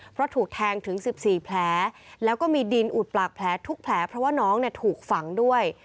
เพราะถูกแทงถึง๑๔แผลแล้วก็มีดินอุดปากแผลทุกแผลเพราะว่าน้องถูกฝังด้วย